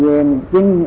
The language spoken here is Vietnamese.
về nghệ ninh